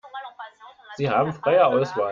Sie haben freie Auswahl.